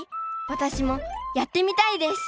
私もやってみたいです！